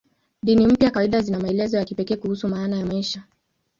Dini mpya kawaida zina maelezo ya kipekee kuhusu maana ya maisha.